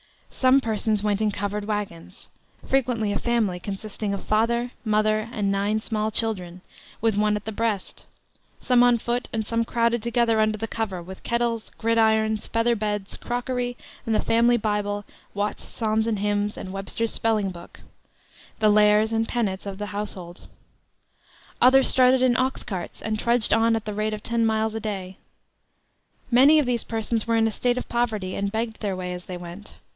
Some persons went in covered wagons frequently a family consisting of father, mother, and nine small children, with one at the breast some on foot, and some crowded together under the cover, with kettles, gridirons, feather beds, crockery, and the family Bible, Watts's Psalms and Hymns, and Webster's Spelling book the lares and penates of the household. Others started in ox carts, and trudged on at the rate of ten miles a day. ... Many of these persons were in a state of poverty, and begged their way as they went.